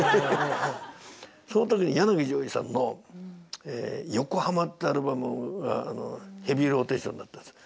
その時に柳ジョージさんの「Ｙ．Ｏ．Ｋ．Ｏ．Ｈ．Ａ．Ｍ．Ａ」ってアルバムがヘビーローテーションだったんですよ。